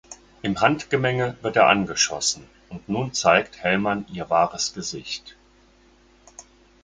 Im Handgemenge wird er angeschossen und nun zeigt Hellmann ihr wahres Gesicht.